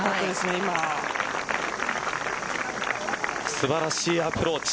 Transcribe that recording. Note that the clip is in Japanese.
素晴らしいアプローチ。